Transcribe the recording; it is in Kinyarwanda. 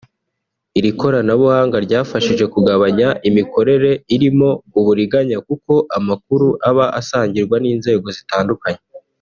Iri koranabuhanga ryafashije kugabanya imikorere irimo uburiganya kuko amakuru aba asangirwa n’inzego zitandukanye